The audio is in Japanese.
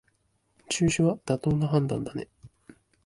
中止は妥当な判断だね